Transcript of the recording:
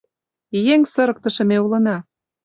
Еҥ сырыктыше ме улына.